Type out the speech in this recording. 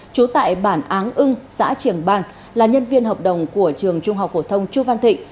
trú tại bản áng ưng xã triềng ban là nhân viên hợp đồng của trường trung học phổ thông chu văn thịnh